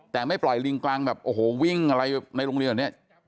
แต่ไม่ปล่อยลิงกลางแบบโอ้โหวิ่งอะไรในโรงเรียนแบบนี้